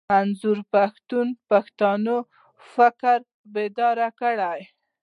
منظور پښتون پښتانه فکري بيدار کړل.